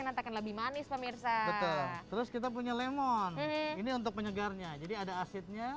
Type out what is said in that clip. nantekan lebih manis pemirsa terus kita punya lemon ini untuk penyegarnya jadi ada asidnya